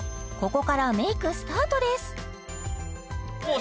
ここからメイクスタートです